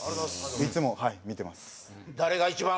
いつもはい見てます